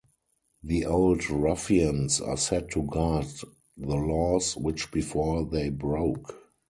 The old ruffians are set to guard the laws which before they broke.